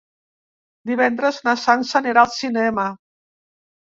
Divendres na Sança anirà al cinema.